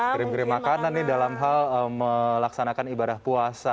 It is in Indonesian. kirim kirim makanan nih dalam hal melaksanakan ibadah puasa